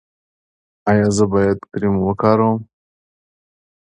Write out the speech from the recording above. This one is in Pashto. ایا زه باید کریم وکاروم؟